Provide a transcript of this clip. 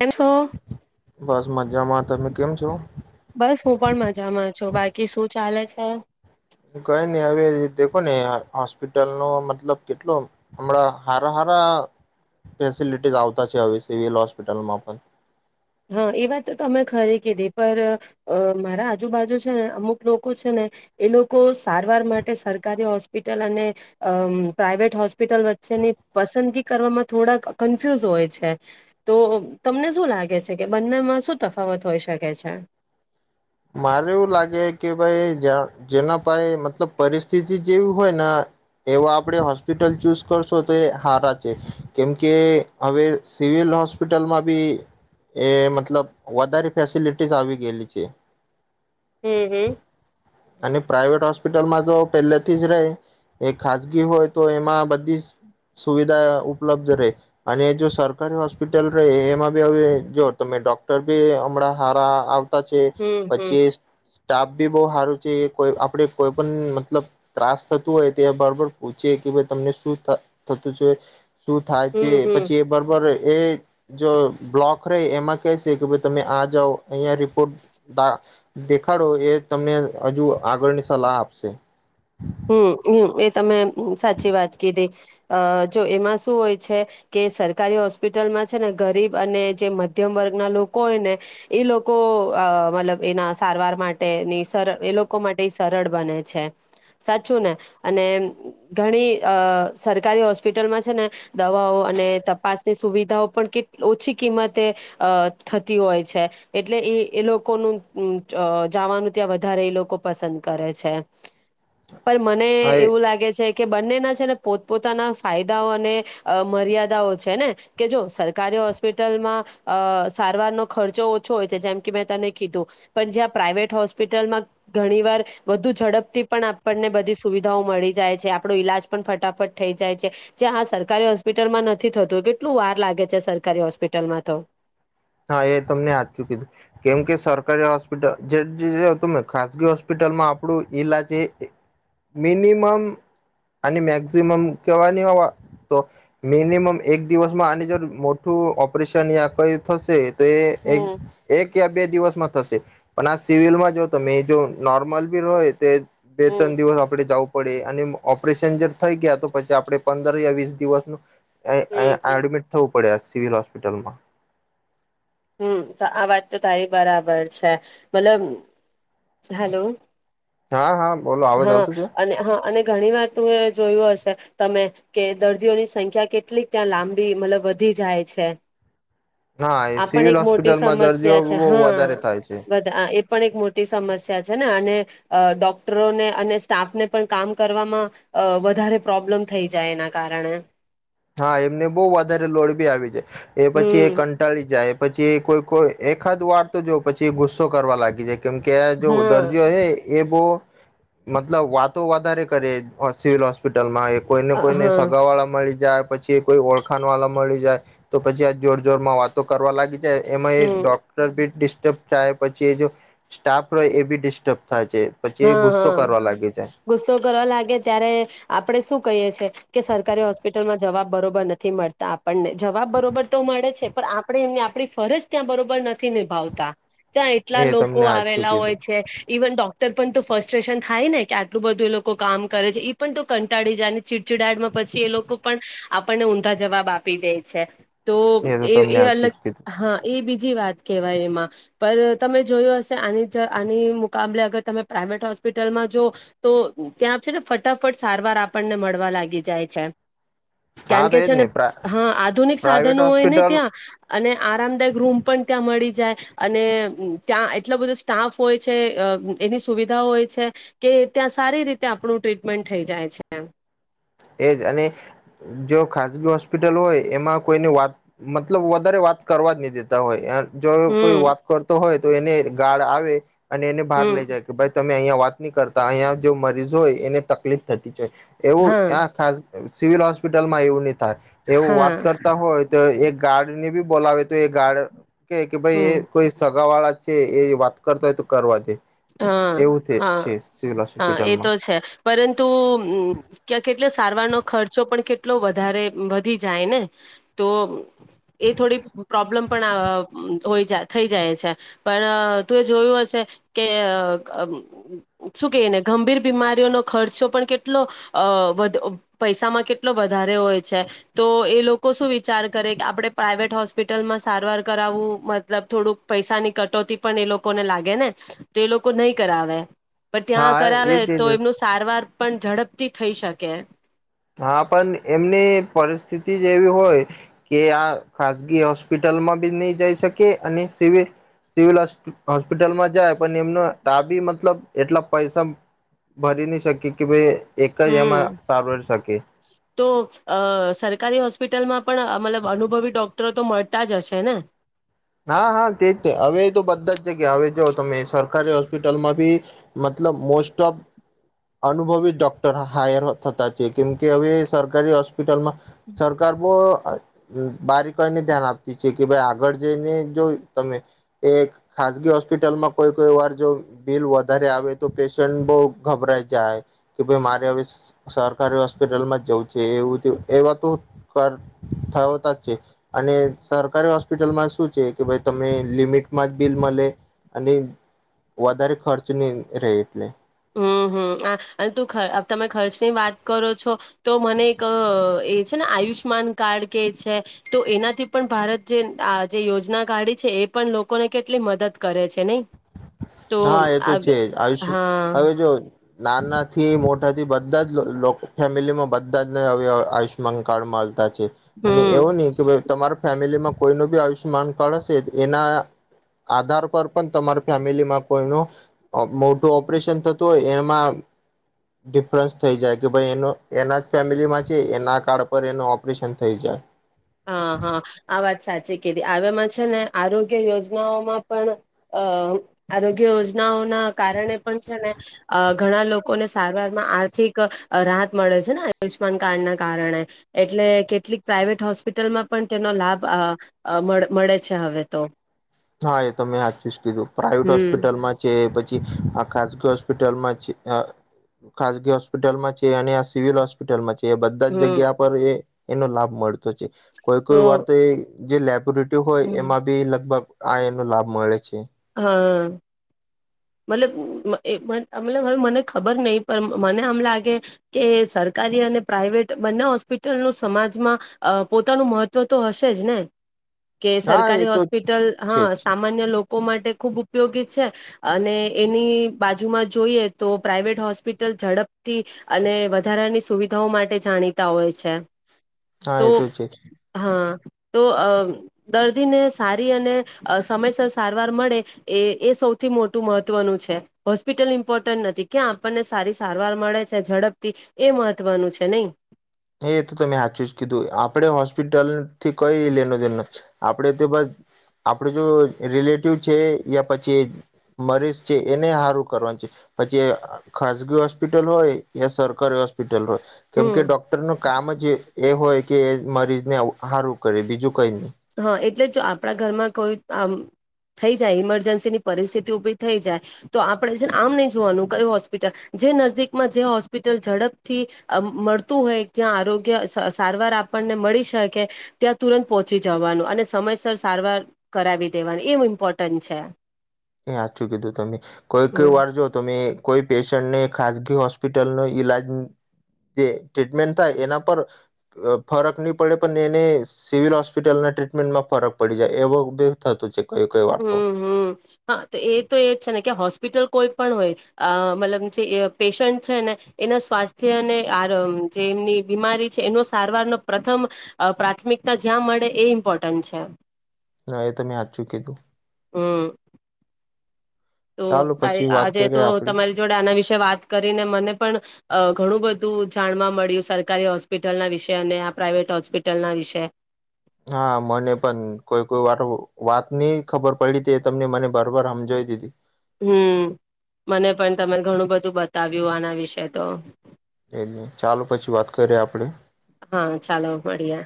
એમ છો? બસ મજ બસ હું પણ મજામાં છું, બાકી કી શું ચાલે છે? કઈ નઈ હવે દેખો ને હોસ્પિટલનો મતલબ કેટલો હમણાં હારા હારા ફેસિલિટીસ આવતા છે, હવે સિવિલ હોસ્પિટલમાં પણ. હા, એ વાત તો તમે ખરી કીધી પર અહ મારા આજુબાજુ છે ને, અમુક લોકો છે ને, એ લોકો સારવાર માટે સરકારી હોસ્પિટલ અને અહ પ્રાઈવેટ હોસ્પિટલ વચ્ચેની પસંદગી કરવામાં થોડા કન્ફ્યુઝ હોય છે, તો તમને શું લાગે છે? કે બંનેમાં શું તફાવત હોય શકે છે? મારે એવું લાગે કે ભાઈ જેના પાય મતલબ પરિસ્થિતિ જેવી હોય ને એવા આપડે હોસ્પિટલ ચૂઝ કરશો તો હારા છે, કેમકે હવે સિવિલ હોસ્પિટલમાં બી એ મતલબ વધારે ફેસિલિટીસ આવી ગયેલી છે. હમ્મ, હમ્મ. અને પ્રાઇવેટ હોસ્પિટલમાં તો પહેલાથી જ રહે એ ખજગી હોય, તો એમાં બધી સુવિધા ઉપલબ્ધ રહે અને જો સરકારી હોસ્પિટલ રહે એમાં બી હવે જોઓ તમે ડોક્ટર બી હમણાં હારા આવ તા છે. હમ હમ પછી સ્ટાફ ભી બો હા પછી કોય આપડે કોઈ પણ મતલબ ત્રાસ થતું હોય તે બરબર પૂછયે કે ભાઈ તમને શું થતું છે? શું થાય છે હમ હમ પછી એ બરોબર એ જો બ્લોક રેય એમાં કે છે કે ભાઈ તમે આ જાવો અહિયાં રિપોર્ટ તા દેખાડો એ તમને અજુ આગળની સલાહ આપશે. હમ હ એ તમે. સાચચી વાતકી તે. અ જો એમાં શું હોય છે કે સરકારી હોસ્પિટલમાં છે ને ગરીબ અને જે મધ્યમ વર્ગના લોકો હોય ને એ લોકો મતલબ એના સારવાર માટેની સર એ લોકો માટે સરળ બને છે. સાચું ને અને ઘણી સરકારી હોસ્પિટલમાં છે ને દવાઓ અને તપાસની સુવિધાઓ પણ કેટલી ઓછી કિંમતે થતી હોય છે એટલે એ એ લોકોનું જવાનું ત્યાં વધારે એ લોકો પસંદ કરે છે. પણ મને હા એ એવું લાગે છે. કે બંનેના છે ને પોતપોતાના ફાયદાઓ અને મર્યાદાઓ છે ને કે જો સરકારી હોસ્પિટલમાં સારવારનો ખર્ચો ઓછો હોય છે જેમ કે મેં તને કીધું પણ જ્યાં પ્રાાઈવેટ હોસ્પિટલમાં ઘણી વાર વધુ ઝડપથી પણ. આપણને બધી સુવિધાઓ મળી જાય છે આપણો ઈલાજ પણ ફટાફટ થઈ જાય છે જે હા સરકારી હોસ્પિટલમાં નથી થતું કેટલું વાર લાગે છે સરકારી હોસ્પિટલમાં તો. હા એ તમને યાદ ચુકી હતું કેમ કે સરકારી હોસ્પિટલ જે તમે ખાસગી હોસ્પિટલમાં આપણું ઈલાજ એ મિનિમમ આની મેક્સિમમ કેવાની હો તો મિનિમમ એક દિવસમાં આની જો મોટું ઓપરેશન યા કઈ. થશે. તો એક હમ એક યા બે દિવસમાં થશે. પણ આ સિવિલમાં જો તમે એ જો નોર્મલ બી હોય તો. બે હમ ત્રણ દિવસ આપણે જવું પડે. અને ઓપરેશન જે થઈ ગયા તો પછી આપડ પંદર યા વીસ દિવસનું. હમ હમ એડમિટ થવું પડ્યા સિવિલ હોસ્પિટ હોપિટલમાં હમ તો આ વાત તો તારી બરાબર છે મતલબ હેલો. હા હા બોલો આવજ હા આવતું છે. અને હા અને ઘણી વાત એ જોયું હશે તમે કે દર્દીઓની સંખ્યા કેટલીક ત્યાં લાંબી મતલબ વધી જાય છે. હા એ આ પણ સિવિલ એક મોટી હોસ્પિટલમાં દર્દીઓ સમસ્યા છે બહુ વધારે હા થાય છે બધા એ પણ એક મોટી સમસ્યા છે. ને અને ડોક્ટરોને અને સ્ટાફને પણ કામ કરવામાં અ વધારે પ્રોબ્લમ થઈ જાય એના કારણે. હા એમને બહુ વધારે લોડ ભી આવી જાય. એ પછી એ હમ કંટાળી જાય એ પછી... કોઈ કોઈ એકાદ વાર તો જોવ પછી ગુસ્સો કરવા લાગી જાય... કેમ કે આ જો હા દર્દીઓ હ... એ બહુ મતલબ વાતો વધારે કરે સિવિલ હોસ્પિટલમાં. કોઈને કોઈને હા સગાવાળા મળી... [unintelligible] પછી એ કોઈ ઓળખાણ વાળા મળી જાય તો પછી આ જોર જોર માં વાતો કરવા લાગી એમાં એ હમ ડોક્ટર બી ડિસ્ટર્બ થાય પછી એ જો સ્ટાફ રે એ બી ડિસ્ટર્બ થાય છે પછી એ હા ગુસ્સો હા કરવા લાગી ગુસ્સો કરવા લાગે ત્યારે આપડે શું કહી છે કે સરકારી હોસ્પિટલમાં જવાબ બરોબર નથી મળતા પણને જવાબ બરોબર તો મળે છે પણ આપણેે એમને આપણી ફરજ ત્યાં બરોબર નથી નિભાવતા. ત્યાં એટલા જાય એ લોકો તમને હાચું આવેલા કીધું હોય છે ઇવન ડોક તર પણ તો ફસ્ટ્રેશન થાય ને કે આટલું બધું એ લોકો કામ કરે છે એ પણ તો કંટાળી જાય ને ચીડચીડાડમાં પછી એ લોકો પણ આપણને ઊંધા જવાબ આપી દે છે. તો તો એ તમને એ હાચું અલગ જ કીધું હા એ બી જી વાત કેવાય એમાં પર તમે જોયુ હશે આ આની મુકાબલે અગર- તમે પ્રાાઈવેટ હોસ્પિટલમાં જો તો ત્યાં છે ને ફટાફટ સારવાર આપણને મળવા લાગી જાય છે. હા કારણ તો કે એજ છે ને પ્રા હા આધુનિક પ્રાઇવેટ સાધનો હોય ને હોસ્પિટલ ત્યાં અને આરામદાયક રૂમ પણ ત્યાં મળી જાય અને અ ત્યાં એટલો બધો સ્ટાફ હોય છે. એની સુવિધાઓ હોય છે કે ત્યાં સારી રીતે આપણું ટ્રીટમેન્ટ થઈ જાય છે. એમ એજ અને જો ખાનગી હોસ્પિટલ હોય એમાં કોઈને વાત મતલબ વધારે વાત કરવા જ નહી દેતા હોય જો કોઈ હમ વાત કરતો હોય તો એને ગાળ આવે અને એને બહાર લઈ હમ જાય કે ભાઈ તમે અહં વાત ની કરતા અહીંયા જો મરીજ હોય એને તકલીફ થતી છે. હા સિવિલ હોસ્પિટલમાં એવું નથી. એવું હા વાત કરતા હોય તો એક ગાર્ડ ને બી બોલાવે તો એ ગાર્ડ કેય કે ભાઈ એ હમ કોઈ સગા વાળા છે એ વાત કરતા હોય તો કરવા દે. હા એવું હા છે સિવિલ હા એ તો હોસ્પિટલમાં છે પરંતુમ ક્યા કેટલા સારવારનો ખર્ચો પણ કેટલો વધારે વધી જાય ને તો એ થોડી પ્રોબ્લેમ પણ થઈ જાય છે પણ તું એ જોયું હશે કે શું કહીને ગંભીર બીમારીઓનો ખર્ચો પણ કેટલો પૈસામાં કેટલો અ વધારે હોય છે તો એ લોકો શું વિચાર કરે કે આપણે પ્રાઇવેટ હોસ્પિટલમાં સારવાર કરાવવું મતલબ થોડુંક પૈસાની કટોતી પણ એ લોકોને લાગે ને. તે લોકો નહીં કરાવે. પણ ત્યાં હા કરાવે એજ તો એજ એમનું સારવાર પણ ઝડપથી ખઈ શકે. હા પણ એમની પરિસ્થિતિ જ એવી હોય કે આ ખાસગી હોસ્પિટલમાં બી નહી જઈ શકે અને સિવિ સિવિલ હોસ્પિટલમાં જાય પણ એમનો ત બી મતલબ એટલા પૈસા ભરી નહી શકે કે ભાઈ એક જ એમાં હમ સારવાર તો સરકારી હોસ્પિટલમાં પણ મતલબ અનુભવી ડોક્ટરો તો મળતા જ હશે ને. હા હા તેજ હવે તો બધા જ જગ્યા હવે જાઓ તમે સરકારી હોસ્પિટલમાં બી મતલબ મોસ્ટ ઓફ અનુભવી ડોક્ટર હાયર થતા છે કેમકે હવે સરકારી હોસ્પિટલમાં સરકાર બહ બારી કોઈને ધ્યાન આપતી છે કે ભાઈ આગળ જેને જો તમે એ ખાસગી હોસ્પિટલમાં કોઈ કોઈ વાર જો બિલ વધારે આવે તો પેશન્ટ બહ ગભરાઈ જાય કે ભાઈ મારે હવે સરકારી હોસ્પિટલમાં જ જવું છે એવું એવા તો થયોતા જ છે અને સરકારી હોસ્પિટલમાં શું છે કે ભાઈ તમે લિમિટમાં જ બિલ મળે અને વધારે ખર્ચ ન રહે એટલે હમ્મ હમ્મ હ અને તું તમે ખર્ચની વાત કરો છો તો મને એક એ છે ને આયુષમાન કાર્ડ કે છે તો એનાથી પણ ભારત જે આ જે યોજના કાઢી છે એ પણ લોકોને કેટલી મદદ કરે છે નહી. તો હા એ તો આ છે આયુષ્ય હા હવે જો. નાના થી મોટાથી બધા જ ફેમિલી માં બધા જ ને આયુષ્યમાન કાર્ડ મળતા. અને હમ એવો નહી કે ભાઈ તમારા ફેમિલીમાં કોઈ ન બી આયુષ્યમાન કાર્ડ હશે એના આધાર પર પણ તમારે ફેમિલીમાં કોઈનું મોટું ઓપરેશન થતું હોય એમાં ડિફરન્સ થઈ જાય કે ભાઈ એ એના જ ફેમિલીમાં છે એના કાર્ડ પર એનું ઓપરેશન થઈ જાય. હા હા આ વાત સાચી કીધી આમાં છે ને આરોગ્ય યોજનાઓમાં પણ અ આરોગ્ય યોજનાઓ ના કારણે પણ છે ને અ ઘણા લોકોને સારવારમાં આર્થિક રાહત મળે છે ને આયુષ્યમાન કાર્ડના કારણે એટલે કેટલીક પ્રાઇવેટ હોસ્પિ પીટલ માં પણ તેનો લાભ મળે છે હવે તો. હા એ તમે હાચુ જ કીધું. પ્રાાઈવેટ હમ હોસ્પિટલમાં છે પા છીઆ ખગી હોસ્પિટલમાં છે ખાસગી હોસ્પિટલમાં છે અને આ સિવિલ હોસ્પિટલમાં છે. તે બધા જ હમ જગ્યા પર એ એનો લાભ મળતો છે. કોઈ કોઈ તો વરતે જે લેપ ઋત્યુ હોય એમાં બી લગભગ આ એનો લાભ મળે છે. હા. મતલબ એ મતલબ હ મને ખબર નહી પણ મને આમ લાગે કે સરકારી અને પ્રાઈવેટ બંને હોસ્પિટલનું સમાજમાં અ પોતાનું મહત્વ તો હશે જ ને. કે હા એ સરકારી તો હોસ્પિટલ છે હા જ સામાન્ય લોક લોકો માટે ખૂબ ઉપયોગી છે. અને એની બાજુમાં જોઈએ તો પ્રાઇવેટ હોસ્પિટલ ઝડપથી અને વધારાની સુવિધાઓ માટે જાણીતા હોય છે. હા તો એ છે હા. તો દર્દીને સારી અને સમયસર સારવાર મળે એ એ સૌથી થી મોટું મહત્વનું છે હોસ્પિટલ ઇમ્પોર્ટન્ટ નથી ક્યાં આપણને સારી સારવાર મળે છે ઝડપથી એ મહત્વનું છે નહી. હ, એ તો તમે સાચું જ કીધું આપણે હોસ્પિટલ થી કઈ લેનો જે આપણે તો બસ આપડ જો રિલેટિવ છે. યા પછી મરીજ છે એને સારું કરવાનું છે. પછી ખાસગી હોસ્પિટલ હોય યા સરકારી હોસ્પિટલ હોય. કેમ હમ કે ડોકર. નું કામ જ એ, હોય કે એ મરીજને સારું કરે બીજું કઈ નહી. હા એટલે જો આપણા ઘરમાં કોઈ આ થઈ જાય ઈમરજન્સીની પરિસ્થિતિ ઉભી થઈ જાય તો આપણે છે. આમ નહી જોવાનું કઈ હોસ્પિટલ જે નજીદીકમાં જે હોસ્પિટલ ઝડપથી મળતું હોય ત્યાં આરોગ્ય સારવાર આપણને મળી શકે ત્યાં તુરંત પ. પછી જવાનું અને સમયસર સારવાર કરાવી દેવાની એમ ઇમ્પોર્ટન્ટ છે. એ, સાચું કીધું તમે કોઈક હમ વાર જો તમે કોઈ પેશન્ટને ખાસગી. હોસ્પિટલ ન ઈલાજ જે ટ્રીટમેન્ટ થાય, એના પર ફરક નહી, પડે પણ એને સિવિલ હોસ્પિટલના ટ્રીટમેન્ટમાં ફરક પડી જાય એવું થત. હમ હમ. હા, તો એ તો એ જ છે. ને કે હોસ્પિટલ કોઈ પણ હોય મતલબ જે પેશન્ટ છે. ને એના સ્વાસ્થ્ય અને આ જે એમની બીમારી છે. એનો સારવારનો પ્રથમ પ્રાથમિકતા જ્યાં મળે એ ઇમ્પોર્ટન્ટ છે. ના એ તમે હાચું કીધું હ. તો ચાલો તારી પછી વાત આજે કરીએ તો આપડે તમારી જોડે આના વિશે વાત કરીને મને પણ. ઘણું, બધું જાણવા મળ્યું સરકારી હોસ્પિટલના વિશે અને આ પ્રાાઈવેટ હોસ્પિટલના વિશે. હા, મને પણ કોઈ કોઈ વાર વાત નહી ખબર પડી હતી, એ તમને મને બરબર સમજાવી દીધી. હમ, મને પણ તમે ઘણું બધું બતાવ્યું આના વિશે તો. એ, નહી ચાલો પછી, વાત કરીએ આપડે. હા ચાલો મળીએ